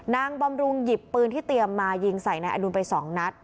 บำรุงหยิบปืนที่เตรียมมายิงใส่นายอดุลไปสองนัด